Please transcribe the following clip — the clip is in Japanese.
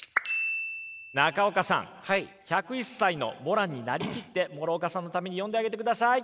中岡さん１０１歳のモランになりきって諸岡さんのために読んであげてください。